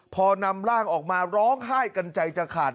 พอนำร่างออกมาร้องไห้กันใจจะขาด